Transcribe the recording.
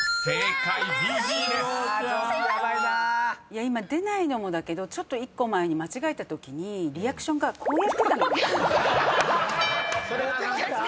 今出ないのもだけど１個前に間違えたときにリアクションがこうやってたのね。